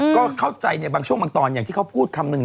ก็เข้าใจในบางช่วงบางตอนอย่างที่เขาพูดคำหนึ่ง